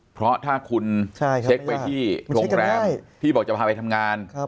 เพราะถ้าคุณเช็คไปที่โรงแรมที่บอกจะพาไปทำงาน